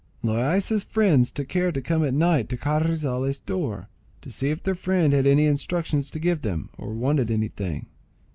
Loaysa's friends took care to come at night to Carrizales' door to see if their friend had any instructions to give them, or wanted anything.